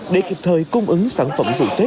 để kịp thời cung ứng sản phẩm